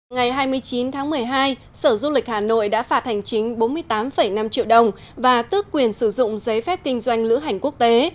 ngày hai mươi chín tháng một mươi hai sở du lịch hà nội đã phạt hành chính bốn mươi tám năm triệu đồng và tước quyền sử dụng giấy phép kinh doanh lữ hành quốc tế